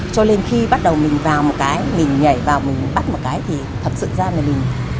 cho nên khi bắt đầu mình vào một cái mình nhảy vào mình bắt một cái thì thật sự ra là mình